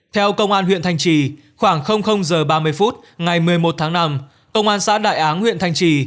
theo công an huyện thanh trì khoảng giờ ba mươi phút ngày một mươi một tháng năm công an xã đại án huyện thanh trì